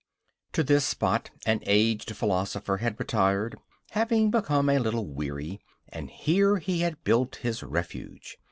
To this spot an aged philosopher had retired, having become a little weary; and here he had built his refuge.